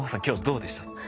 今日どうでした？